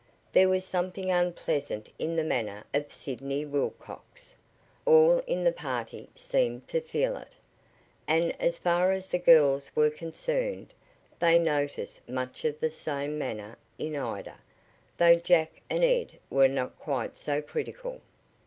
There was something unpleasant in the manner of Sidney Wilcox. All in the party seemed to feel it. And as far as the girls were concerned, they noticed much of the same manner in Ida, though Jack and Ed were not quite so critical.